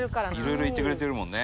「色々行ってくれてるもんね